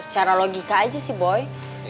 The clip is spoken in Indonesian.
secara logika aja sih boy